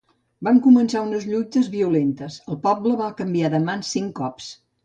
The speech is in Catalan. Van començar unes lluites violentes; el poble va canviar de mans cinc cops